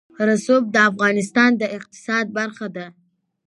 رسوب د افغانستان د اقتصاد برخه ده.